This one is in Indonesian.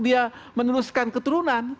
dia meneruskan keturunan